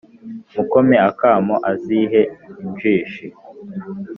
Mukome akamo azihe injishi